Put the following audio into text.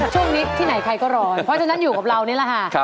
ช่วงนี้ที่ไหนใครก็ร้อนเพราะฉะนั้นอยู่กับเรานี่แหละค่ะ